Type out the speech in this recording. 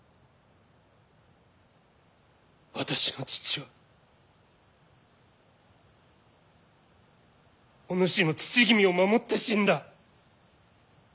私の父はお主の父君を守って死んだ。